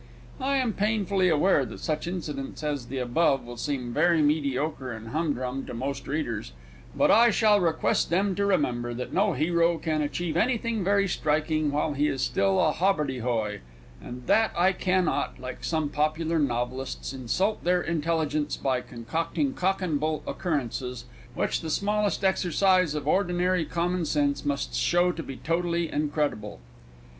I am painfully aware that such incidents as the above will seem very mediocre and humdrum to most readers, but I shall request them to remember that no hero can achieve anything very striking while he is still a hobbardehoy, and that I cannot like some popular novelists insult their intelligences by concocting cock and bull occurrences which the smallest exercise of ordinary commonsense must show to be totally incredible.